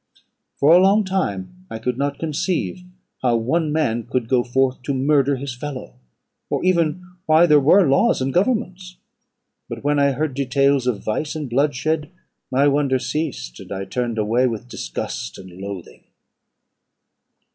For a long time I could not conceive how one man could go forth to murder his fellow, or even why there were laws and governments; but when I heard details of vice and bloodshed, my wonder ceased, and I turned away with disgust and loathing.